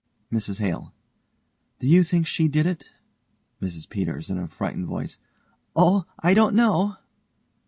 MRS HALE: Do you think she did it? MRS PETERS: (in a frightened voice) Oh, I don't know.